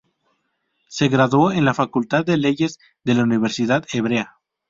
Se graduó en la Facultad de Leyes de la Universidad Hebrea.